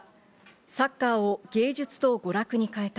サッカーを芸術と娯楽に変えた。